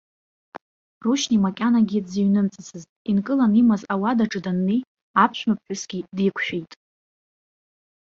Рушьни макьанагьы дзыҩнымҵыцыз, инкылан имаз ауадаҿы даннеи, аԥшәмаԥҳәысгьы диқәшәеит.